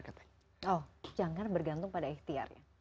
jangan bergantung pada ikhtiar